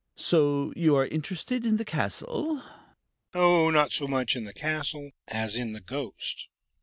So, you are interested in the castle?" "Oh, not so much in the castle as in the ghost.